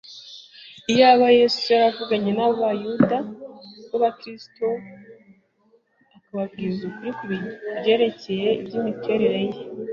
Iyaba Yesu yaravuganye n'Abayuda b'abakiranutsi akababwiza ukuri ku byerekeye iby'imiterere ye